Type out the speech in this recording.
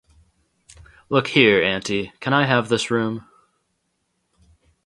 Look here, auntie, can I have this room?